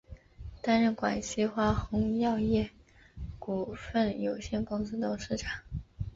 担任广西花红药业股份有限公司董事长。